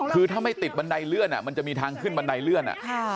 คือถ้าไม่ติดบันไดเลื่อนมันจะมีทางขึ้นบันไดเลื่อน